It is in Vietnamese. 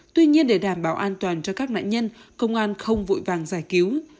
tuy nhiên để đảm bảo an toàn cho các nạn nhân công an không vội vàng giải cứu